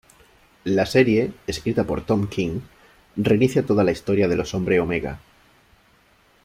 La serie, escrita por Tom King, reinicia toda la historia de los "Hombre Omega".